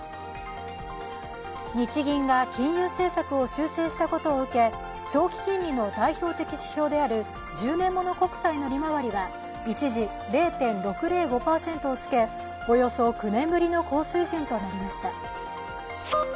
日銀が金融政策を修正したことを受け、長期金利の代表的指標である１０年物国債の利回りは一時０．６０５％をつけ、およそ９年ぶりの高水準となりました。